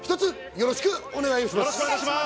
よろしくお願いします！